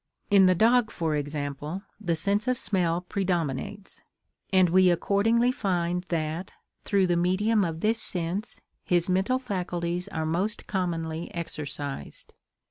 In the dog, for example, the sense of smell predominates; and we accordingly find that, through the medium of this sense, his mental faculties are most commonly exercised.